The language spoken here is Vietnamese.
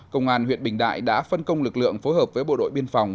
công an huyện bình đại đã phân công lực lượng phối hợp với bộ đội biên phòng